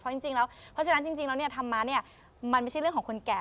เพราะฉะนั้นจริงแล้วธรรมนี้มันไม่ใช่เรื่องของคนแก่